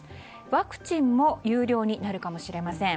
ワクチンも有料になるかもしれません。